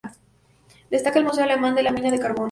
Destaca el Museo Alemán de la Mina de Carbón.